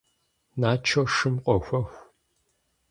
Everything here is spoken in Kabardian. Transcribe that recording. Начо шым къохуэх.